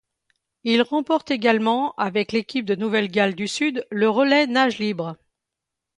Il remporte également avec l'équipe de Nouvelle-Galles du Sud le relais nage libre.